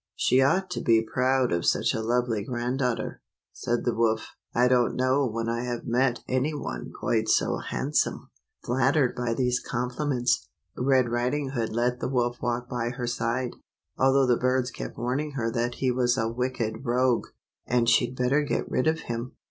" She ought to be proud of such a lovely grand daughter," said the wolf. " I don't know when I have met any one quite so handsome." Flattered by these compliments, Red Riding Hood let the wolf walk by her side, although the birds kept warning her that he was a wicked rogue, and she'd better get rid of him.